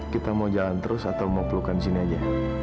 kita mau jalan terus atau mau pelukan sini aja